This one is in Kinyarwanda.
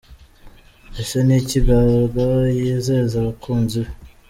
Ese niki Gaga yizeza abakunzi be?.